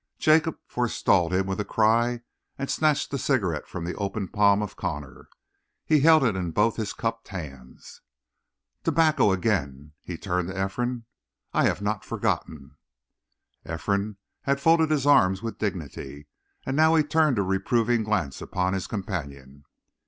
Jacob forestalled him with a cry and snatched the cigarette from the open palm of Connor. He held it in both his cupped hands. "Tobacco again!" He turned to Ephraim. "I have not forgotten!" Ephraim had folded his arms with dignity, and now he turned a reproving glance upon his companion.